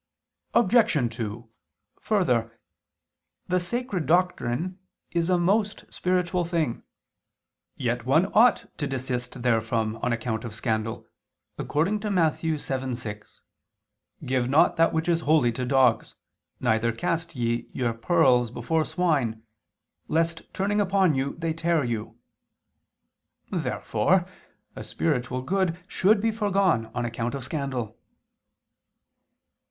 Obj. 2: Further, the Sacred Doctrine is a most spiritual thing. Yet one ought to desist therefrom on account of scandal, according to Matt. 7:6: "Give not that which is holy to dogs, neither cast ye your pearls before swine lest ... turning upon you, they tear you." Therefore a spiritual good should be foregone on account of scandal.